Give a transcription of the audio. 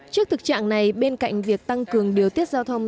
trước thực trạng này bên cạnh việc tăng cường điều tiết giao thông